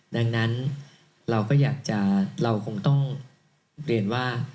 ดังนั้นเราคงต้องเรียนว่า